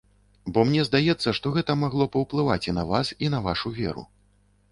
Бо мне здаецца, што гэта магло паўплываць і на вас, і на вашу веру.